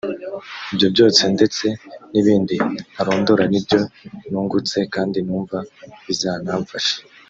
Ibyo byose ndetse n’ibindi ntarondora ni byo nungutse kandi numva bizanamfasha